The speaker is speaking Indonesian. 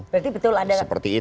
berarti betul ada komunikasi